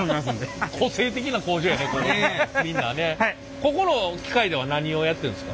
ここの機械では何をやってるんですか？